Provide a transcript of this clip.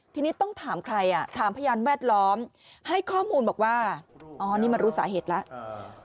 ทีนี้ต้องถามใครอ่ะถามพยานแวดล้อมให้ข้อมูลบอกว่าอ๋อนี่มารู้สาเหตุแล้ว